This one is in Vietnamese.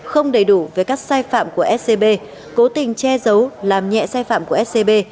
không đầy đủ với các xe phạm của scb cố tình che giấu làm nhẹ xe phạm của scb